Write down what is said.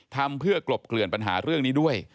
ทำเพื่อกลบเกลื่อนปัญหาเรื่องนี้ด้วย